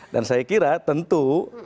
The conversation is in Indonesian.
dan saya kira tentu